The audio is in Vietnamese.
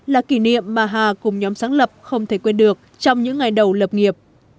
là kỷ niệm mà hà cùng nhóm sáng lập không thể quên được trong những ngày đầu lập nghiệp